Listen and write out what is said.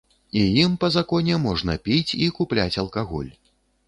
І ім, па законе, можна і піць, і купляць алкаголь.